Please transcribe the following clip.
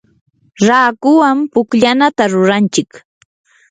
raakuwan pukllanata ruranchik.